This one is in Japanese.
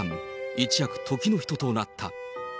一躍、時の人となった。